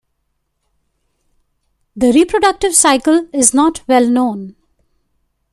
The reproductive cycle is not well known.